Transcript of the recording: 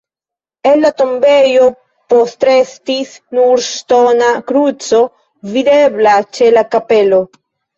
El la tombejo postrestis nur ŝtona kruco videbla ĉe la kapelo.